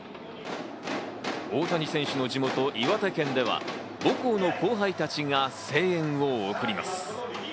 大谷選手の地元・岩手県では、母校の後輩たちが声援を送ります。